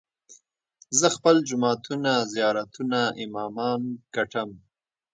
زه خپل جوماتونه، زيارتونه، امامان ګټم